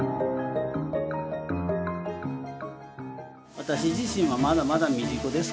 私自身はまだまだ未熟ですから。